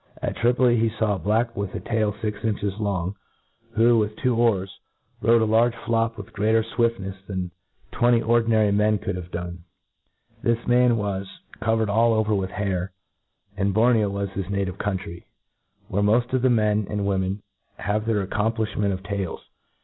At Tripoli, he faw a black with a tail fix inches long, who, with two oars, rowed a l^rge floop with greater fwiftnefs than twenty ordinary men could have done ; this man was^ covered all over with hair, and Borneo was his native country, where inoft of the men and wo men have the accompHftiment of tails.